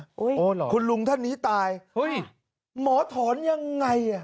โอ้โหเหรอคุณลุงท่านนี้ตายหมอถอนยังไง